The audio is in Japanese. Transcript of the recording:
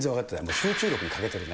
集中力に欠けてるね。